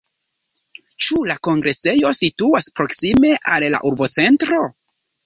Ĉu la kongresejo situas proksime al la urbocentro?